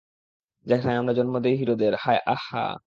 যেখানে আমরা জন্ম দেই হিরোদের, - আহ-হাহ।